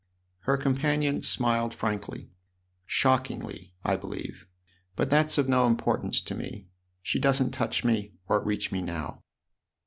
Her companion smiled frankly. " Shockingly, I believe ; but that's of no importance to me. She doesn't touch me or reach me now."